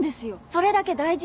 それだけ大事！